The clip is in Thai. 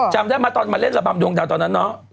จำได้ไหมตอนมาเล่นระบำดวงดาวตอนนั้นเนาะ